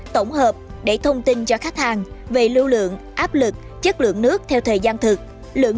tổng hợp để thông tin cho khách hàng về lưu lượng áp lực chất lượng nước theo thời gian thực lượng